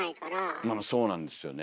まあまあそうなんですよね。